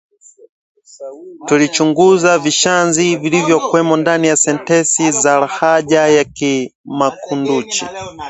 Tulichunguza vishazi vilivyokuwemo ndani ya sentensi za lahaja ya Kimakunduchi